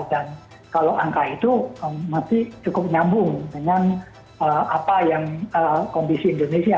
dan kalau angka itu masih cukup nyambung dengan apa yang kompisi indonesia